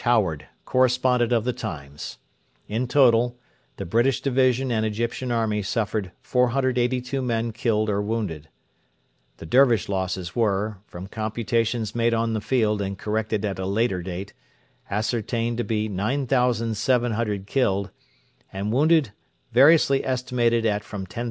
Howard, correspondent of the TIMES. In total, the British Division and Egyptian Army suffered 482 men killed or wounded. The Dervish losses were, from computations made on the field and corrected at a later date, ascertained to be 9,700 killed, and wounded variously estimated at from 10,000 to 16,000.